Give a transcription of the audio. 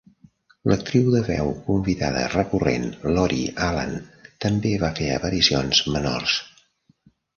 L'actriu de veu convidada recurrent Lori Alan també va fer aparicions menors.